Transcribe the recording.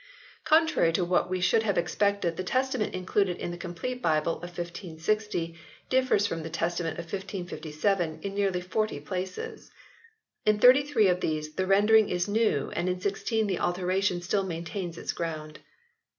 v] THREE RIVAL VERSIONS 79 Contrary to what we should have expected the Testament included in the complete Bible of 1560 differs from the Testament of 1557 in nearly forty places. In thirty three of these the rendering is new, and in sixteen the alteration still maintains its ground.